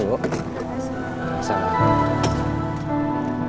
lo udah ngerti kan